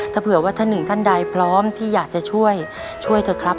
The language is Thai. ถ้าเผื่อว่าท่านหนึ่งท่านใดพร้อมที่อยากจะช่วยช่วยเถอะครับ